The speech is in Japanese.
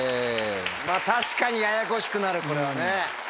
確かにややこしくなるこれはね。